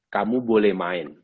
kamu boleh main